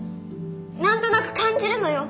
何となく感じるのよ。